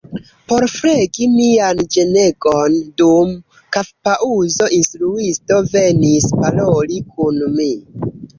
Por flegi mian ĝenegon, dum kafpaŭzo instruisto venis paroli kun mi.